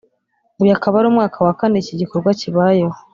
uyu akaba ari umwaka wa kane iki gikorwa kibayeho